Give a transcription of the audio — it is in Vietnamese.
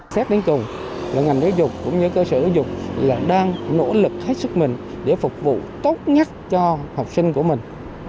xét đến cùng ngành giáo dục cũng như cơ sở giáo dục là đang nỗ lực hết sức mình để phục vụ tốt nhất cho học sinh của mình